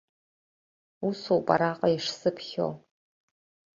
Усоуп араҟа ишсыԥхьо.